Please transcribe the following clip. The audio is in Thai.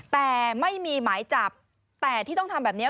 แต่ไม่มีหมายจับแต่ที่ต้องทำแบบนี้